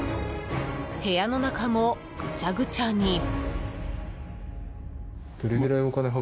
部屋の中も、ぐちゃぐちゃに。